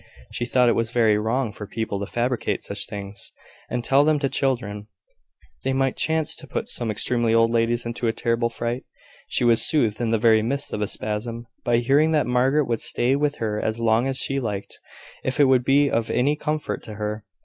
She thought it was very wrong for people to fabricate such things, and tell them to children: they might chance to put some extremely old ladies into a terrible fright. She was soothed in the very midst of a spasm, by hearing that Margaret would stay with her as long as she liked, if it would be of any comfort to her.